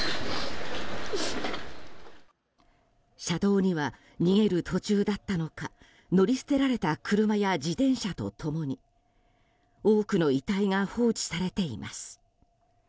車道には逃げる途中だったのか乗り捨てられた車や自転車と共に多くの遺体が放置されています。